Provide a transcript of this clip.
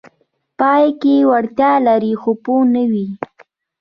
پای کې وړتیا لري خو پوه نه وي: